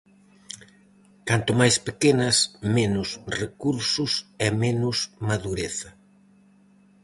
Canto máis pequenas, menos recursos e menos madureza.